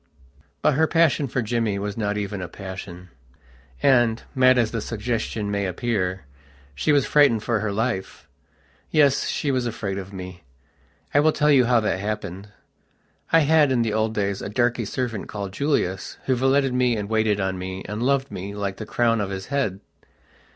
But her passion for Jimmy was not even a passion, and, mad as the suggestion may appear, she was frightened for her life. Yes, she was afraid of me. I will tell you how that happened. I had, in the old days, a darky servant, called Julius, who valeted me, and waited on me, and loved me, like the crown of his head.